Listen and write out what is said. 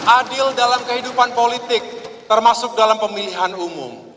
adil dalam kehidupan politik termasuk dalam pemilihan umum